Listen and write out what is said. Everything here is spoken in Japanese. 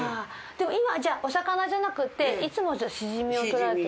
今はじゃあお魚じゃなくていつもシジミを獲られて？